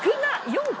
４個？